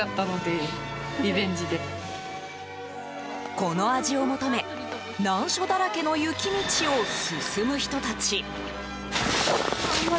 この味を求め難所だらけの雪道を進む人たち。